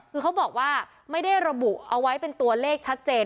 คือเขาบอกว่าไม่ได้ระบุเอาไว้เป็นตัวเลขชัดเจน